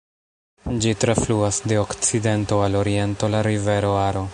Ĝi trafluas de okcidento al oriento la rivero Aro.